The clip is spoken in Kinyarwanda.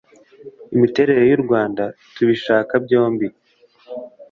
Imiterere y’u Rwanda tubishaka byombi